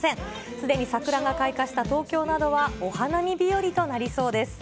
すでに桜が開花した東京などは、お花見日和となりそうです。